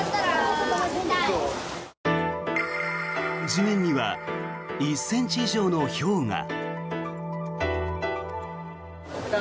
地面には１ｃｍ以上のひょうが。